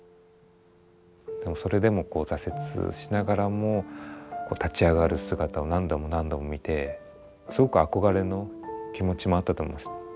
でもそれでもこう挫折しながらも立ち上がる姿を何度も何度も見てすごく憧れの気持ちもあったと思います。